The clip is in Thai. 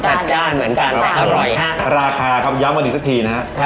จัดจ้านเหมือนกันอร่อยฮะราคาครับย้ำกันอีกสักทีนะฮะ